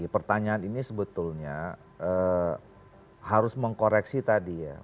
pertanyaan ini sebetulnya harus mengkoreksi tadi ya